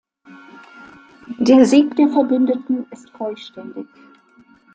Der Sieg der Verbündeten ist vollständig.